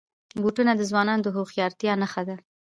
بوټونه د ځوانانو د هوښیارتیا نښه ده.